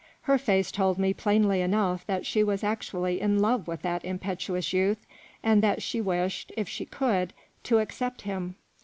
Her face told me plainly enough that she was actually in love with that impetuous youth, and that she wished, if she could, to accept him.